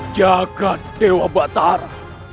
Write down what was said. jaga dewa batara